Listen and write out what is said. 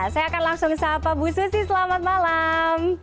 saya akan langsung sahabat bu susi selamat malam